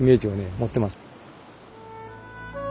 持ってます。